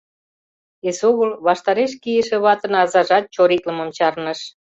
Эсогыл ваштареш кийыше ватын азажат чориклымым чарныш.